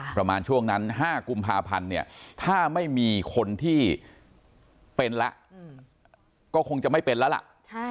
ประมาณช่วงนั้น๕กุมภาพันธ์เนี่ยถ้าไม่มีคนที่เป็นแล้วก็คงจะไม่เป็นแล้วล่ะ